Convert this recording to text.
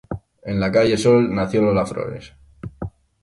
En la calle Sol nació Lola Flores.